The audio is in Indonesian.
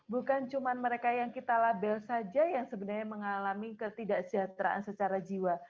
bukan cuma mereka yang kita label saja yang sebenarnya mengalami ketidaksejahteraan secara jiwa